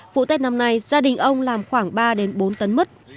vụ tết năm nay gia đình ông làm khoảng ba bốn tấn mứt